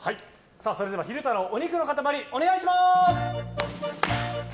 それでは、昼太郎お肉の塊お願いします！